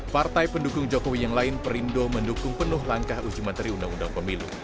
partai pendukung jokowi yang lain perindo mendukung penuh langkah uji materi undang undang pemilu